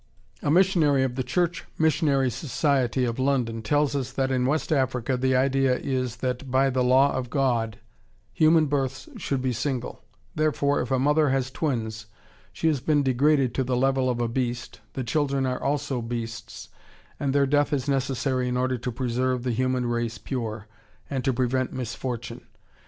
A missionary of the Church Missionary Society of London tells us that in West Africa the idea is that by the law of God human births should be single; therefore, if a mother has twins, she has been degraded to the level of a beast, the children are also beasts, and their death is necessary in order to preserve the human race pure and to prevent misfortune.